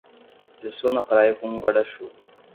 Pessoa na praia com um guarda-chuva.